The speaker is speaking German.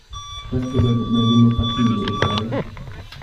Das bedeutet mehr Demokratie, würde ich sagen.